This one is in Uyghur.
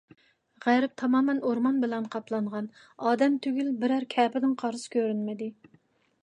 غەرب تامامەن ئورمان بىلەن قاپلانغان، ئادەم تۈگۈل، بىرەر كەپىنىڭمۇ قارىسى كۆرۈنمىدى.